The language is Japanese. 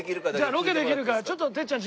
じゃあロケできるかちょっとてっちゃん